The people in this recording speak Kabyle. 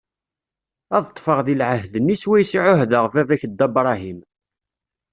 Ad ṭṭfeɣ di lɛehd-nni swayes i ɛuhdeɣ baba-k Dda Bṛahim.